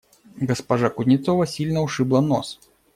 Госпожа Кузнецова сильно ушибла нос.